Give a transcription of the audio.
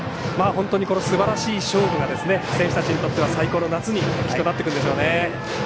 本当に、このすばらしい勝負が選手たちにとっては最高の夏にきっとなってくるでしょうね。